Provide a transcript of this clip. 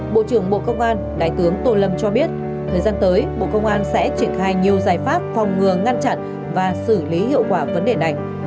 bộ trưởng bộ công an đại tướng tô lâm cho biết thời gian tới bộ công an sẽ triển khai nhiều giải pháp phòng ngừa ngăn chặn và xử lý hiệu quả vấn đề này